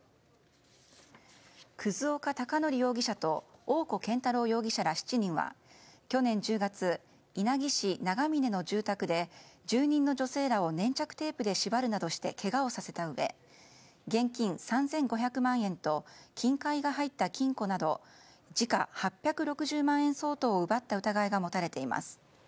葛岡隆憲容疑者と大古健太郎容疑者ら７人は去年１０月、稲城市長峰の住宅で住人の女性らを粘着テープで縛るなどしてけがをさせたうえ現金３５００万円と金塊が入った金庫など時価８６０万円相当を奪った疑いが持たれています。